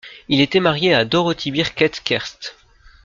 Il était marié à Dorothy Birkett Kerst.